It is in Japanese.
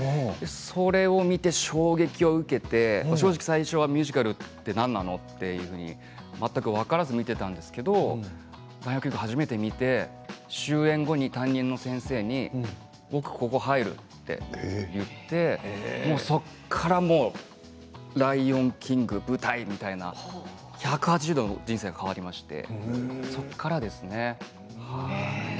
それを見て衝撃を受けて正直最初はミュージカルって何なの？って全く分からず見ていたんだけれど「ライオンキング」を初めて見て終演後に、担任の先生に僕、ここに入るって言ってもうそこから「ライオンキング」、舞台みたいな１８０度人生が変わりましてそこからですね。